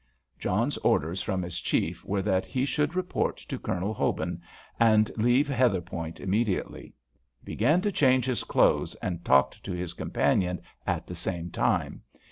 John's orders from his Chief were that he should report to Colonel Hobin and leave Heatherpoint immediately. He began to change his clothes, and talked to his companion at the same time.